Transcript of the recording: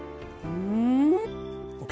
うん。